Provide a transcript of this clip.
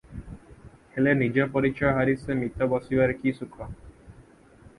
ହେଲେ ନିଜ ପରିଚୟ ହାରି ସେ ମିତ ବସିବାରେ କି ସୁଖ?